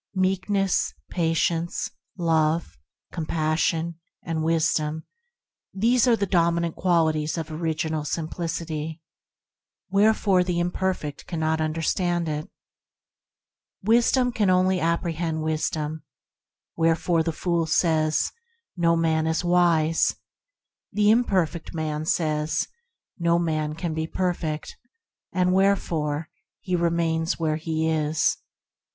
Meekness, Patience, Love, Compassion, and Wisdom — these are the dominant qual ities of Original Simplicity; wherefore the imperfect cannot understand it. Wisdom only can apprehend Wisdom, wherefore the fool says, "No man is wise." The imperfect man says, "No man can be perfect," and wherefore he remains where he is.